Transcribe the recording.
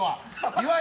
岩井